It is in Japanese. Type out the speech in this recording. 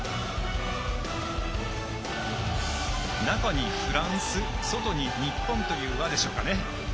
中にフランス外に日本という輪でしょうか。